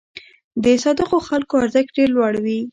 د صادقو خلکو ارزښت ډېر لوړ وي.